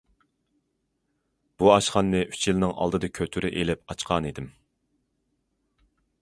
بۇ ئاشخانىنى ئۈچ يىلنىڭ ئالدىدا كۆتۈرە ئېلىپ ئاچقانىدىم.